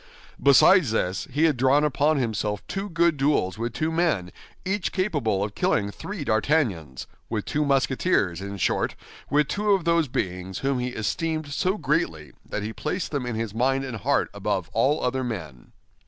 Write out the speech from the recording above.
Besides this, he had drawn upon himself two good duels with two men, each capable of killing three D'Artagnans—with two Musketeers, in short, with two of those beings whom he esteemed so greatly that he placed them in his mind and heart above all other men.